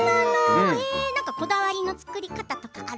こだわりの作り方とかある？